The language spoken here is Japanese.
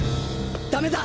ダメだ！